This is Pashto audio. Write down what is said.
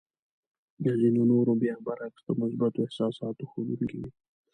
د ځينو نورو بيا برعکس د مثبتو احساساتو ښودونکې وې.